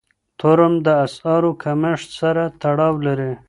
تورم د اسعارو کمښت سره تړاو لري.